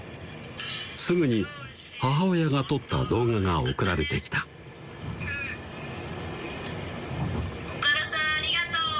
すぐに母親が撮った動画が送られてきた岡田さんありがとう！